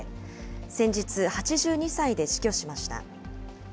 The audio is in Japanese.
先日、８２歳で死去しました。